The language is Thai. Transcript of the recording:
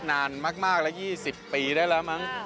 อ๋อนะครับมากแล้วยี่สิบปีได้แล้วมั้ง